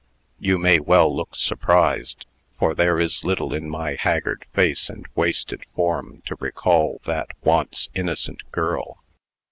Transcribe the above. You may well look surprised, for there is little in my haggard face and wasted form to recall that once innocent girl.